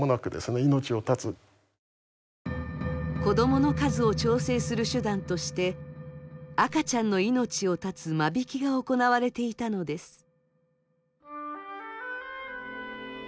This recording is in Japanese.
子どもの数を調整する手段として赤ちゃんの命を絶つ間引きが行われていたのです。